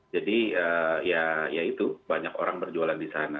ya itu banyak orang berjualan di sana